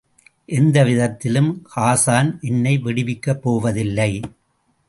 எந்த விதத்திலும் ஹாஸான் என்னை விடுவிக்கப் போவதில்லை.